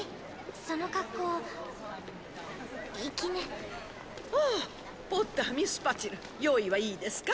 その格好粋ねああポッターミスパチル用意はいいですか？